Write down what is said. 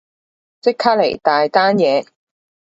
即刻嚟，大單嘢